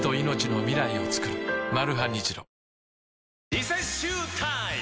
リセッシュータイム！